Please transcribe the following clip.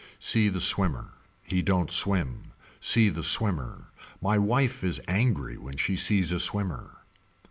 See the swimmer. He don't swim. See the swimmer. My wife is angry when she sees a swimmer.